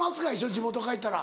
地元帰ったら。